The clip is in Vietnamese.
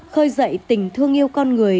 khơi dậy tình thương yêu con người